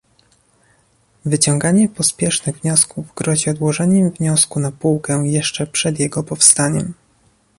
Wyciąganie pospiesznych wniosków grozi odłożeniem wniosku na półkę jeszcze przed jego powstaniem